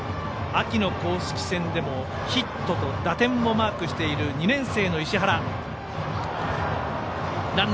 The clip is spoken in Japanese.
秋の公式戦でもヒットと打点もマークしている２年生の石原。